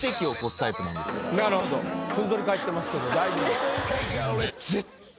なるほどふんぞり返ってますけど大丈夫？